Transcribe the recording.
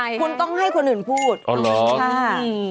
นี่คุณต้องให้คนอื่นพูด